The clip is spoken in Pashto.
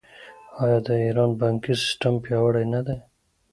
آیا د ایران بانکي سیستم پیاوړی نه دی؟